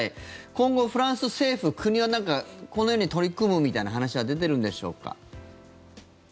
今後フランス政府、国はこのように取り組むみたいな話は出てるんでしょうか？